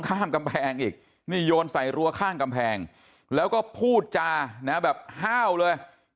ข้ามกำแพงอีกนี่โยนใส่รั้วข้างกำแพงแล้วก็พูดจานะแบบห้าวเลย